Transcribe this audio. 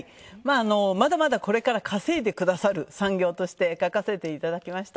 まだまだこれから稼いでくださる産業として書かせていただきました。